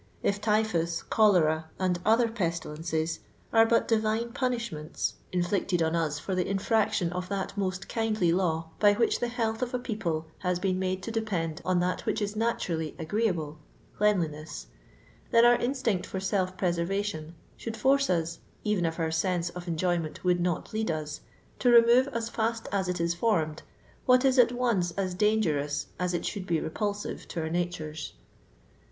If typhus, cholera^ and other pestilences are but divine punishments 258 LONDOir LABOUR JtND THE LONTHiN POOR. inflicted on as for the infnction of that most kindly law by which the health of a people has been made to depend on that which is natunlly agreeable— cleanliness, then our instinct for self preierration should force us, eren if our sense of enjoyment would not lead us, to remore as fitst as it is formed what is at once as dangerous as it should be repulsire to our natures.